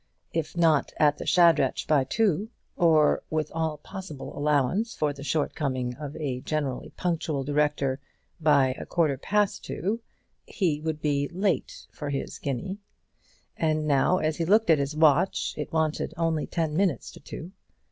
If not at the Shadrach by two, or, with all possible allowance for the shortcoming of a generally punctual director, by a quarter past two, he would be too late for his guinea; and now, as he looked at his watch, it wanted only ten minutes to two.